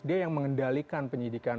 dia yang mengendalikan penyidikan